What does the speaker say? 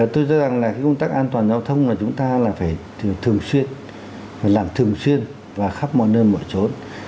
tôi chắc rằng là cái công tác an toàn giao thông là chúng ta là phải thường xuyên phải làm thường xuyên và khắp mọi nơi mọi chỗ